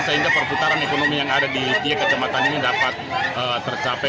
sehingga perputaran ekonomi yang ada di tiga kecamatan ini dapat tercapai